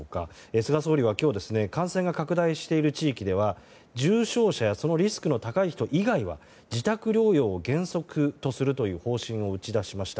菅総理は今日感染が拡大している地域では重症者やそのリスクの高い人以外は自宅療養を原則とするという方針を打ち出しました。